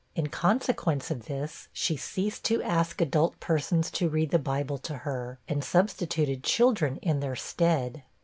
In consequence of this, she ceased to ask adult persons to read the Bible to her, and substituted children in their stead.